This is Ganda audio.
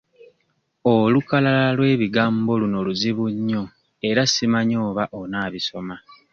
Olukalala lw'ebigambo luno luzibu nnyo era simanyi oba onaabisoma.